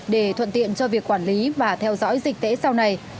để thuận tiện cho việc quản lý và theo dõi dịch tễ sau này